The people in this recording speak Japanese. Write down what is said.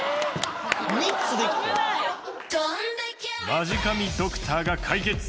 マジ神ドクターが解決！